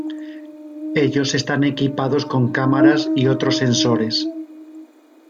Ellos están equipados con cámaras y otros sensores.